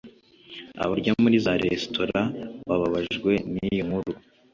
Abarya muri za resitora babajwe n’iyo nkuru